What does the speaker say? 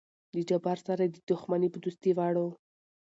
د جبار سره دې دښمني په دوستي واړو.